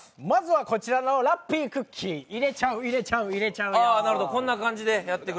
まずはこちらのラッピークッキー、入れちゃう入れちゃう入れちゃうよ。